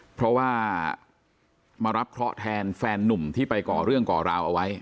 เพราะว่ามารับเคราะห์แทนแฟนนุ่มที่ไปก่อเรื่องก่อราวเอาไว้